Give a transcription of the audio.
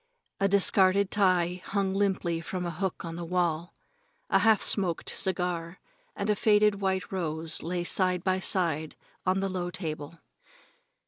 A discarded tie hung limply from a hook on the wall, a half smoked cigar and a faded white rose lay side by side on the low table.